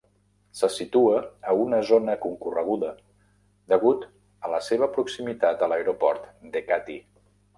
Se situa a una zona concorreguda degut a la seva proximitat a l'aeroport d'Ekati.